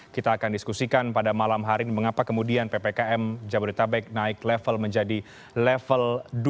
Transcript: kita akan diskusikan pada malam hari ini mengapa kemudian ppkm jabodetabek naik level menjadi level dua